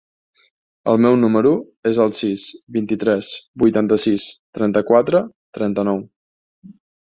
El meu número es el sis, vint-i-tres, vuitanta-sis, trenta-quatre, trenta-nou.